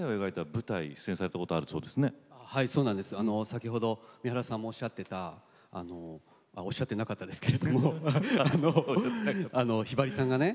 先ほど三原さんもおっしゃってたおっしゃってなかったですけれどもひばりさんがね